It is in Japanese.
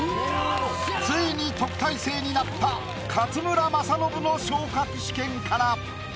ついに特待生になった勝村政信の昇格試験から。